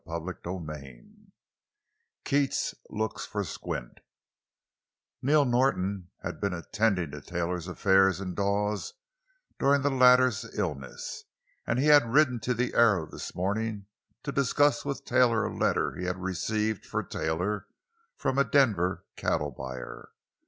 CHAPTER XXV—KEATS LOOKS FOR "SQUINT" Neil Norton had been attending to Taylor's affairs in Dawes during the latter's illness, and he had ridden to the Arrow this morning to discuss with Taylor a letter he had received—for Taylor—from a Denver cattle buyer.